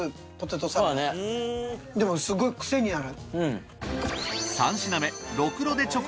でもすごい癖になる。